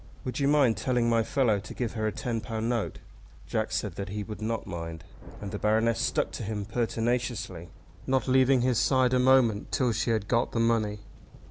Would you mind telling my fellow to give her a ten pound note?" Jack said that he would not mind; and the Baroness stuck to him pertinaciously, not leaving his side a moment till she had got the money.